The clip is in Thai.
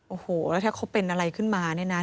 โอ้โหแล้วถ้าเขาเป็นอะไรขึ้นมาเนี่ยนะ